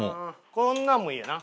こんなんもいいよな。